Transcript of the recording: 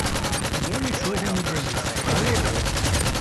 Я нічого не боюсь, говорю вам.